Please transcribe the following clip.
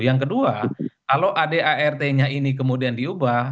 yang kedua kalau adart nya ini kemudian diubah